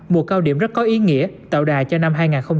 một cao điểm rất có ý nghĩa tạo đà cho năm hai nghìn hai mươi hai